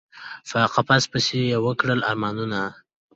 په قفس پسي یی وکړل ارمانونه